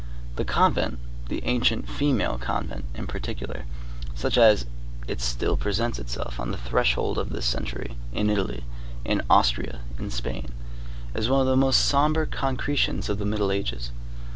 The convent—the ancient female convent in particular, such as it still presents itself on the threshold of this century, in Italy, in Austria, in Spain—is one of the most sombre concretions of the Middle Ages.